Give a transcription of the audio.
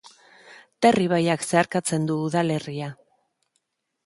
Ter ibaiak zeharkatzen du udalerria.